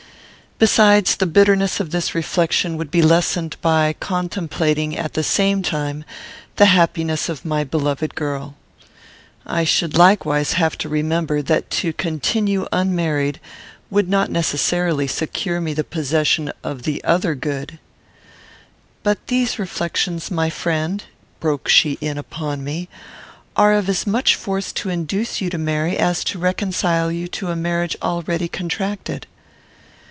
Besides, the bitterness of this reflection would be lessened by contemplating, at the same time, the happiness of my beloved girl. "I should likewise have to remember, that to continue unmarried would not necessarily secure me the possession of the other good " "But these reflections, my friend," (broke she in upon me,) "are of as much force to induce you to marry, as to reconcile you to a marriage already contracted."